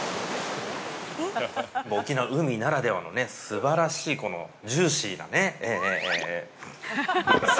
沖縄、海ならではのね、すばらしい、このジューシーなね、ええ、ええ、ええ、ええ。